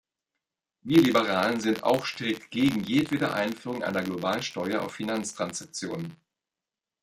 Wir Liberalen sind auch strikt gegen jedwede Einführung einer globalen Steuer auf Finanztransaktionen.